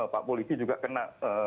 pak polisi juga kena